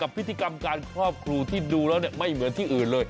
พิธีกรรมการครอบครูที่ดูแล้วไม่เหมือนที่อื่นเลย